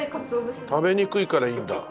食べにくいからいいんだ。